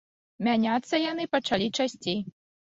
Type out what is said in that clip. Мяняцца яны пачалі часцей.